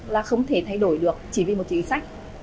là không thể thay đổi được chỉ vì một chính sách